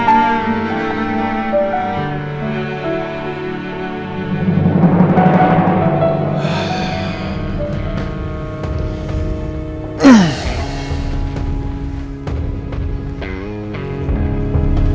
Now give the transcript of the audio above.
aku akan menang